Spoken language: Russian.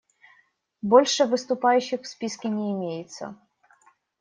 Больше выступающих в списке не имеется.